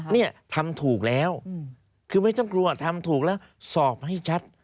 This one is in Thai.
เนี่ยทำถูกแล้วคือไม่ต้องกลัวทำถูกแล้วสอบให้ชัด